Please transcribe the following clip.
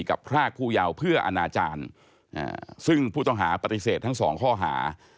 กับพระพู่ยาวเพื่ออาณาจารย์ซึ่งผู้ต้องหาปฏิเสธทั้ง๒ข้อหา